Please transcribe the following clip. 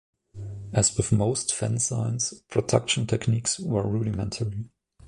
As with most fanzines, production techniques were rudimentary.